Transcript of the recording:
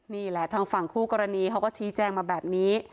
นี่แหละทางฝั่งคู่กรณีเขาก็ชี้แจงมาแบบนี้